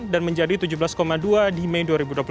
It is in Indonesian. dan menjadi tujuh belas dua di mei dua ribu dua puluh tiga